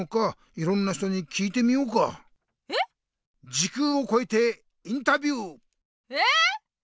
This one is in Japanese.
時空をこえてインタビュー！え？